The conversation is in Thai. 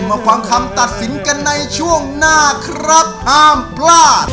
มาฟังคำตัดสินกันในช่วงหน้าครับห้ามพลาด